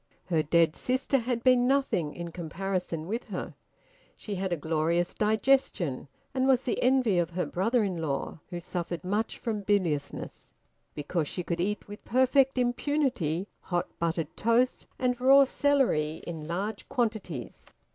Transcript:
Her dead sister had been nothing in comparison with her. She had a glorious digestion, and was the envy of her brother in law who suffered much from biliousness because she could eat with perfect impunity hot buttered toast and raw celery in large quantities.